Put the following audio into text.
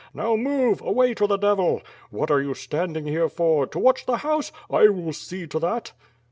No w, move, away to the devil. What are you standing here for? To watch the house? I will see to that."